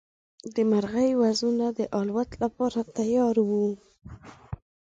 د مرغۍ وزرونه د الوت لپاره تیار وو.